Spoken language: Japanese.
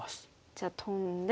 じゃあトンで。